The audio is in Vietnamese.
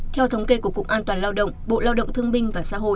theo thống kê của cục an toàn lao động bộ lao động thương binh và xã hội